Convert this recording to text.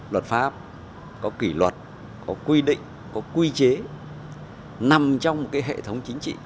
luật pháp có kỷ luật có quy định có quy chế nằm trong một hệ thống chính trị